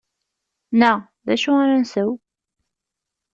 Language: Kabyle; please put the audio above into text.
Neɣ: D acu ara nsew?